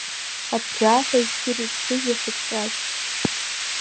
Абӷьааҳәа издырит сыжәҩа шыҭҟьаз.